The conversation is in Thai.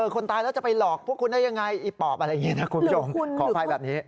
คนตายแล้วจะไปหลอกพวกคุณได้อย่างไรอีปอบอะไรอย่างนี้นะคุณผู้ชม